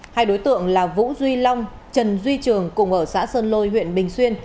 hai đối tượng là vũ duy long trần duy trường cùng ở xã sơn lôi huyện bình xuyên